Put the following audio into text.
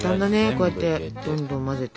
こうやってどんどん混ぜて。